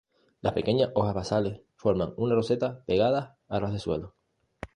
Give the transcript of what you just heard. Las pequeñas hojas basales forman una roseta pegadas a ras de suelo.